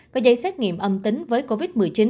có giấy xét nghiệm âm tính với covid một mươi chín